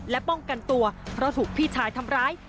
และป้องกันตัวเพราะถูกพี่ชายทำร้าย